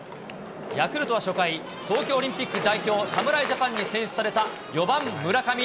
ヤクルトは初回、東京オリンピック代表、侍ジャパンに選出された４番村上。